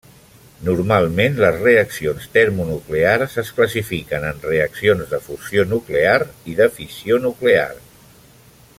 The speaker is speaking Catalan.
Normalment les reaccions termonuclears es classifiquen en reaccions de fusió nuclear i de fissió nuclear.